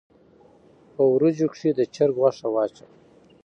په وريژو کښې د چرګ غوښه واچوه